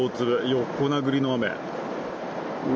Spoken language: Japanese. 横殴りの雨。